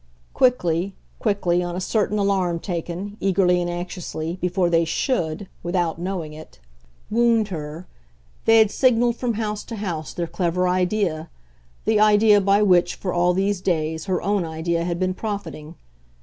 Quickly, quickly, on a certain alarm taken, eagerly and anxiously, before they SHOULD, without knowing it, wound her, they had signalled from house to house their clever idea, the idea by which, for all these days, her own idea had been profiting.